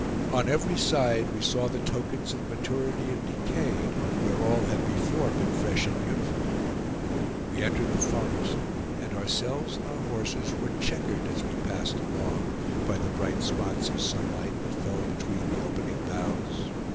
On every side we saw the tokens of maturity and decay where all had before been fresh and beautiful. We entered the forest, and ourselves and our horses were checkered, as we passed along, by the bright spots of sunlight that fell between the opening boughs.